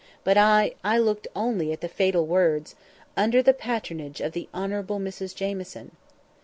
But I—I looked only at the fatal words:— "Under the Patronage of the HONOURABLE MRS JAMIESON."